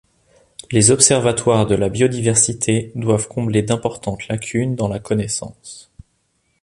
Les observatoires de la biodiversité doivent combler d'importantes lacunes dans la connaissance.